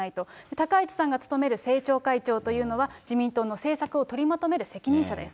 高市さんが務める政調会長というのは、自民党の政策を取りまとめる責任者です。